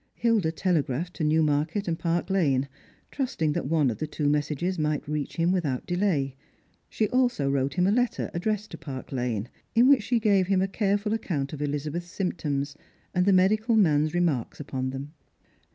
Hilda telegraphed to Newmarket and Park lane, trusting that one of the two messages might reach him without delay. She also wrote him a letter, addressed to Park lane, in which she gave him a careful account of Eliza beth's symptoms, and the medical man's remarks upon them.